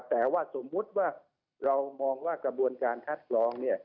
แต่ว่าสมมุติว่าเรามองว่ากระบวนการคัดกรองเนี่ย